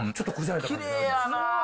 きれいやな。